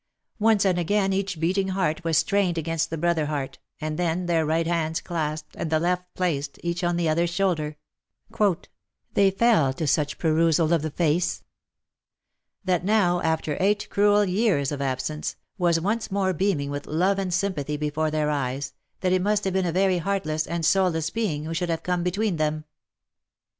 Once and again each beating heart was strained against the brother heart, and then, their right hands clasped, and the left placed, each on the other's shoulder, " They fell to such perusal of the face," that now, after eight cruel years of absence, was once more beaming with love and sympathy before their eyes, that it must have been a very heartless and soulless being who should have come between them.